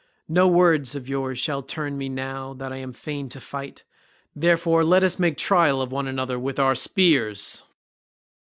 No words of yours shall turn me now that I am fain to fight—therefore let us make trial of one another with our spears."